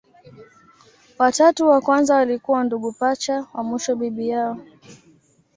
Watatu wa kwanza walikuwa ndugu pacha, wa mwisho bibi yao.